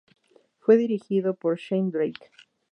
Fue dirigido por Shane Drake.